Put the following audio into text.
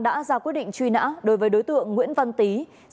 đã ra quyết định truy nã đối với đối tượng nguyễn văn tý